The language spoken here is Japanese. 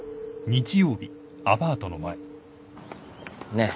ねえ。